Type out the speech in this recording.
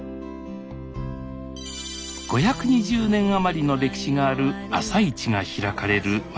５２０年余りの歴史がある「朝市」が開かれる町です